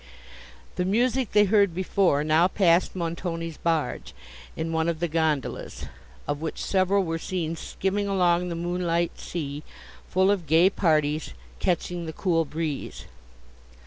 The music they heard before now passed Montoni's barge, in one of the gondolas, of which several were seen skimming along the moonlight sea, full of gay parties, catching the cool breeze.